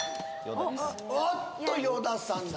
おっと与田さんだ